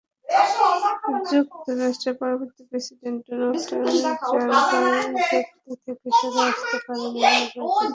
যুক্তরাষ্ট্রের পরবর্তী president Donald Trump জলবায়ু চুক্তি থেকে সরে আসতে পারেন—এমন আভাস দিয়েছেন।